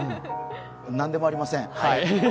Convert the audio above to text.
何でもありません。